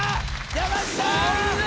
山内さん！